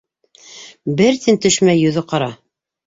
Бер тин төшмәй, йөҙө ҡара.